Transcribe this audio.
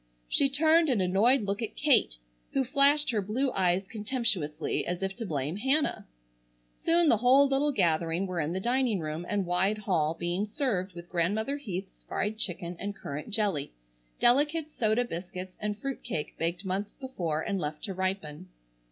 She turned an annoyed look at Kate, who flashed her blue eyes contemptuously as if to blame Hannah. Soon the whole little gathering were in the dining room and wide hall being served with Grandmother Heath's fried chicken and currant jelly, delicate soda biscuits, and fruit cake baked months before and left to ripen.